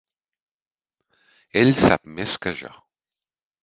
Ell sap més que jo.